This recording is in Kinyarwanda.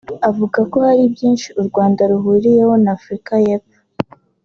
avuga ko hari byinshi u Rwanda ruhuriyeho na Afurika y’Epfo